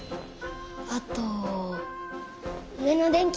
あとうえのでんきとか。